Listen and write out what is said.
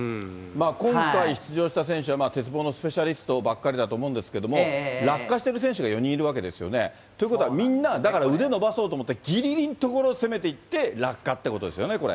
今回出場した選手たちは鉄棒のスペシャリストばっかりだと思うんですけれども、落下してる選手が４人いるわけですよね。ということはみんなが腕伸ばそうとして、ぎりぎりのところを攻めていって落下ってことですよね、これ。